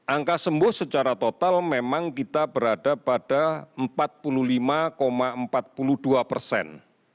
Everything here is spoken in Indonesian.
angka sembuh secara total memang kita berada pada empat puluh lima empat puluh dua persen